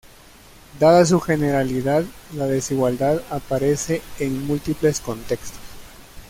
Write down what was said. Dada su generalidad, la desigualdad aparece en múltiples contextos.